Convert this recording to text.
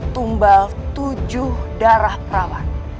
tumbal tujuh darah perawan